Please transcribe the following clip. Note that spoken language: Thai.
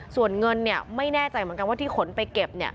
ส่วนเงินไม่แน่ใจเหมือนกันว่าที่ขนไปเก็บ